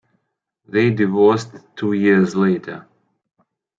They divorced two years later.